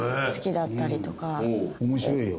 面白いよ。